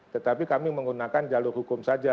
tetapi kami menggunakan jalur hukum saja